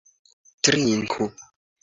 Trinku!